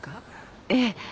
ええ。